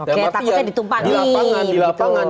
oke tapi juga ditumpangin dan makanya di lapangan di lapangan